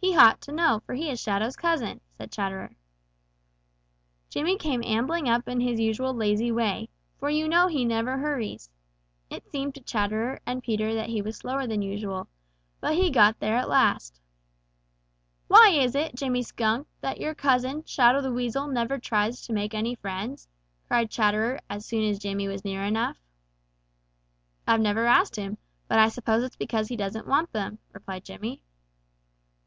He ought to know, for he is Shadow's cousin," said Chatterer. Jimmy came ambling up in his usual lazy way, for you know he never hurries. It seemed to Chatterer and Peter that he was slower than usual. But he got there at last. "Why is it, Jimmy Skunk, that your cousin, Shadow the Weasel, never tries to make any friends?" cried Chatterer, as soon as Jimmy was near enough. "I've never asked him, but I suppose it's because he doesn't want them," replied Jimmy.